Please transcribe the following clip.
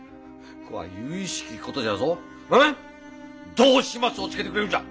どう始末をつけてくれるんじゃ！